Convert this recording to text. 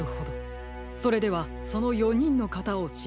それではその４にんのかたをしらべることにしましょう。